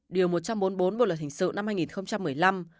điều một trăm bốn mươi bốn bộ luật hình sự năm hai nghìn một mươi năm